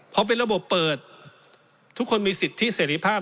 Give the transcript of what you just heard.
เพราะเป็นระบบเปิดทุกคนมีสิทธิ์ที่เสร็จภาพ